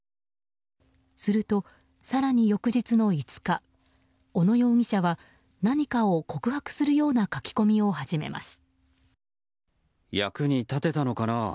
すると、更に翌日の５日小野容疑者は何かを告白するような書き込みを始めます。